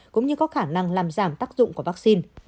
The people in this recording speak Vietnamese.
cũng như có khả năng làm giảm tác dụng của vaccine